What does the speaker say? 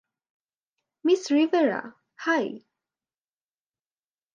Miss Rivera, high.